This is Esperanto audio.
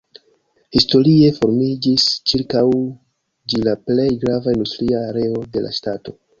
Historie formiĝis ĉirkaŭ ĝi la plej grava industria areo de la ŝtato.